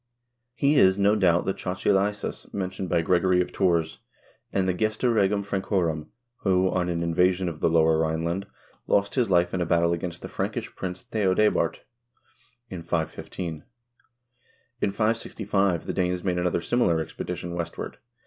He is, no doubt, the Chochilaicus mentioned by Gregory of Tours and the " Gesta Regum Francorum," who, on an invasion of the lower Rhineland, lost his life in a battle against the Frankish prince Theodebert in 515.2 In 565 the Danes made another similar expedition westward.